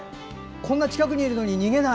こんな近くにいるのに逃げない！